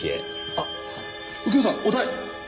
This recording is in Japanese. あっ右京さんお代！